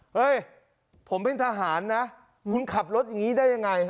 เฮ้ยผมเป็นทหารนะคุณขับรถอย่างนี้ได้ยังไง